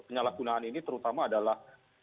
penyalahgunaan ini terutama adalah